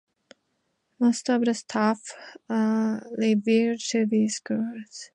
Most of the staff are revealed to be Skrulls.